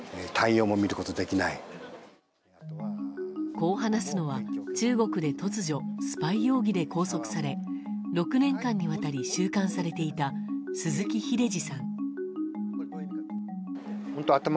こう話すのは、中国で突如スパイ容疑で拘束され６年間にわたり収監されていた鈴木英司さん。